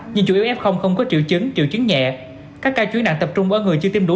nhưng chủ yếu f không có triệu chứng triệu chứng nhẹ các ca chuyến nặng tập trung ở người chưa tiêm đủ